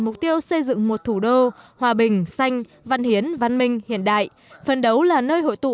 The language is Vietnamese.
mục tiêu xây dựng một thủ đô hòa bình xanh văn hiến văn minh hiện đại phân đấu là nơi hội tụ